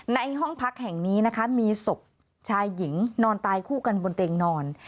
ในห้องพักแห่งนี้นะคะมีศพชายหญิงนอนตายคู่กันบนเตียงนอน